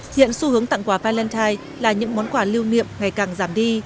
hiện xu hướng tặng quà palentine là những món quà lưu niệm ngày càng giảm đi